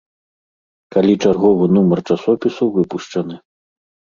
Калі чарговы нумар часопісу выпушчаны.